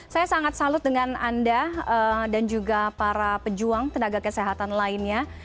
saya sangat salut dengan anda dan juga para pejuang tenaga kesehatan lainnya